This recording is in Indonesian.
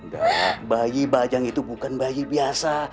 nah bayi bajang itu bukan bayi biasa